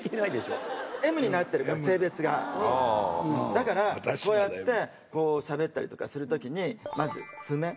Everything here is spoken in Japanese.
だからこうやってしゃべったりとかする時に。